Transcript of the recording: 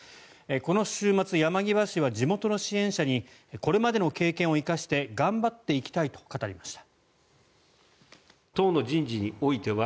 この週末、山際氏は地元の支援者にこれまでの経験を生かして頑張っていきたいと語りました。